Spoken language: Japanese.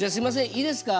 いいですか？